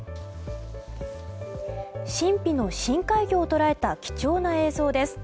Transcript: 神秘の深海魚を捉えた貴重な映像です。